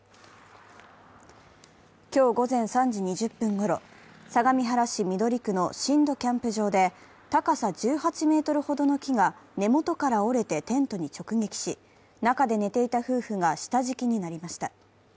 今日午前３時２０分ごろ、相模原市緑区の新戸キャンプ場で高さ１８ｍほどの木が根元から折れてテントに直撃し、中で寝ていた夫婦が下敷きになりました。